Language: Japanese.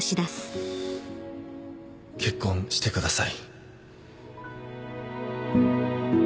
結婚してください